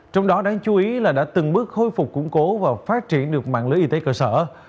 trong đó đáng chú ý là đã từng bước khôi phục củng cố và phát triển được mạng lưới y tế cơ sở